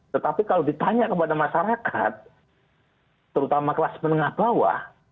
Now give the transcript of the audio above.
tetapi kalau ditanya kepada masyarakat terutama kelas menengah bawah